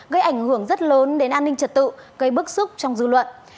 gây ảnh hưởng rất lớn đến an ninh trật tự gây bức xúc trong dư luận